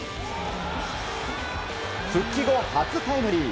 復帰後初タイムリー。